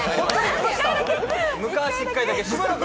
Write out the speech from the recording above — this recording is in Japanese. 昔、１回だけ。